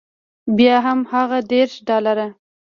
بیا هم هماغه دېرش ډالره.